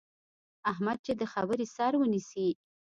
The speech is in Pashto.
احمد چې د خبرې سر ونیسي،